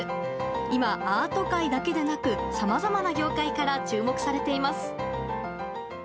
今、アート界だけでなくさまざまな業界から注目されています。